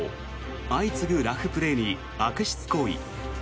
相次ぐラフプレーに悪質行為。